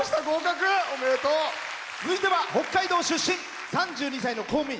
続いては北海道出身３２歳の公務員。